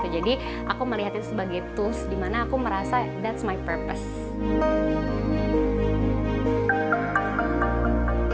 jadi aku melihatnya sebagai tools di mana aku merasa that's my purpose